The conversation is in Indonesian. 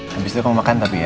habis itu aku makan tapi ya